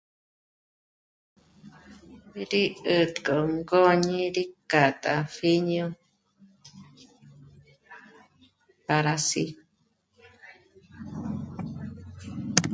Rí 'ä̀tk'ö ngóñi rí k'a tápjíño pára sí